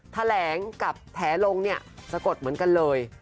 แถลงกับแถลงเนี่ยสะกดเหมือนกันเลย